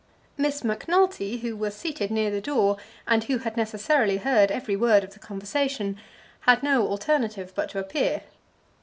Miss Macnulty, who was seated near the door, and who had necessarily heard every word of the conversation, had no alternative but to appear.